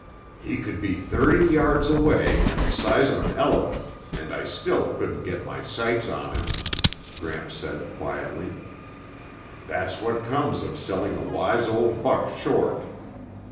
"He could be thirty yards away and the size of an elephant, and I still couldn't get my sights on him," Gramps said quietly. "That's what comes of selling a wise old buck short.